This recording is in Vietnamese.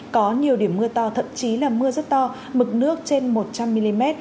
có nhiều điểm mưa to thậm chí là mưa rất to mực nước trên một trăm linh mm